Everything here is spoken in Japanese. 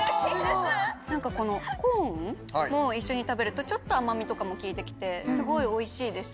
コーンも一緒に食べるとちょっと甘みとかも効いて来てすごいおいしいです。